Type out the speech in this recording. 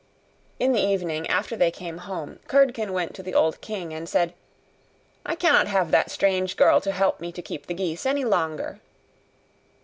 In the evening, after they came home, Curdken went to the old king, and said, 'I cannot have that strange girl to help me to keep the geese any longer.